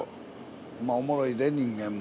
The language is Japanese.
まあおもろいで人間も。